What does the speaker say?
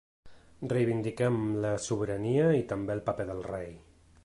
Reivindiquem la sobirania i també el paper del rei.